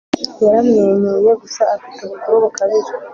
Yaramwenyuye gusa afite ubukuru bukabije